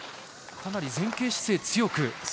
かなり前傾姿勢強く。